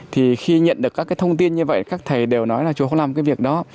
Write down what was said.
thì khi nhận được các thông tin như vậy các thầy đều nói là chùa không làm cái việc đó